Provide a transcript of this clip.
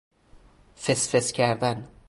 فسفس کردن